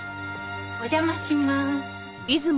お邪魔します。